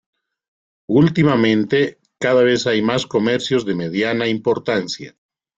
Últimamente cada vez hay más comercios de mediana importancia.